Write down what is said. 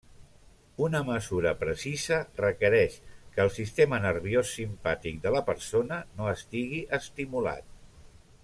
Una mesura precisa requereix que el sistema nerviós simpàtic de la persona no estigui estimulat.